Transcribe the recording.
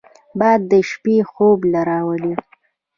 باد د شپې خوب راولي